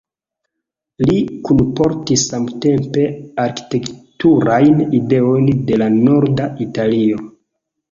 Li kunportis samtempe arkitekturajn ideojn de la norda Italio.